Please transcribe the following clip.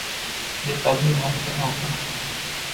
یہ تب ہی ممکن ہو گا۔